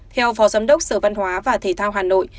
theo phó giám đốc sở văn hóa và thể thao hà nội